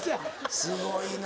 すごいな。